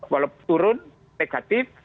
walaupun turun negatif